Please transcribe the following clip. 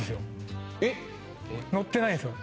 のってないんですよ